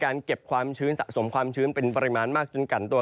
ประโจบกีรีแขนรึนองชุมพลพังงา